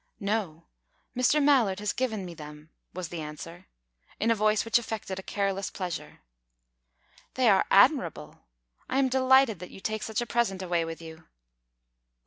"No. Mr. Mallard has given me them," was the answer, in a voice which affected a careless pleasure. "They are admirable. I am delighted that you take such a present away with you."